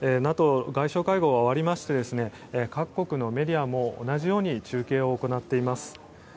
ＮＡＴＯ外相会合が終わりまして各国のメディアも同じように中継を行っています。